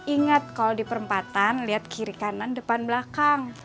ingat kalau di perempatan lihat kiri kanan depan belakang